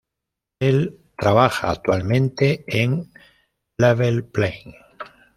Él trabaja actualmente en Level Plane.